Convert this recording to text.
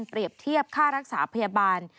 เปรียบเทียบค่ารักษาพยาบาล